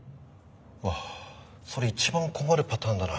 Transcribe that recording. わあそれ一番困るパターンだな。